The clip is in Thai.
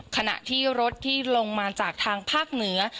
ขณะที่รถที่ลงมาจากทางภาคเหนือ